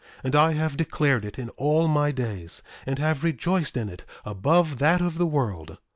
And I have declared it in all my days, and have rejoiced in it above that of the world.